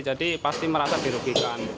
jadi pasti merasa dirugikan